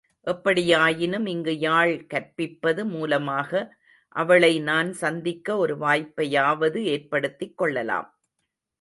எப்படியாயினும் இங்கு யாழ் கற்பிப்பது மூலமாக அவளை நான் சந்திக்க ஒரு வாய்ப்பையாவது ஏற்படுத்திக் கொள்ளலாம்.